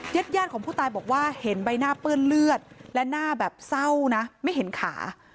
ญาติญาติของผู้ตายบอกว่าเห็นใบหน้าเปื้อนเลือดและหน้าแบบเศร้านะไม่เห็นขา